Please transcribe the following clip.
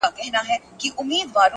سترگه وره انجلۍ بيا راته راگوري